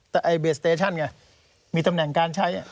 แต่ไอเบสเตชั่นไงมีตำแหน่งการใช้